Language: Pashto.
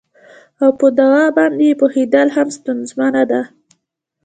او په دوا باندې یې پوهیدل هم ستونزمنه ده